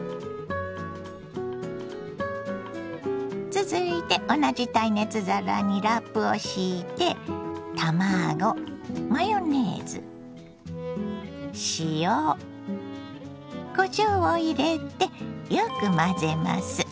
続いて同じ耐熱皿にラップを敷いて卵マヨネーズ塩こしょうを入れてよく混ぜます。